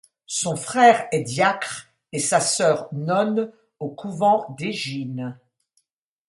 Son frère est diacre et sa sœur nonne au couvent d'Égine.